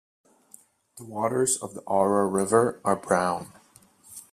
The waters of the Aura river are brown.